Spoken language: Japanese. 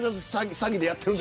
詐欺でやってる。